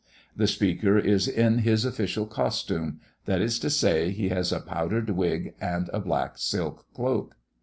The Speaker is in his official costume, that is to say, he has a powdered wig and a black silk cloak.